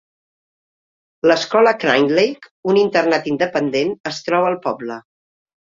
L'escola Cranleigh, un internat independent, es troba al poble.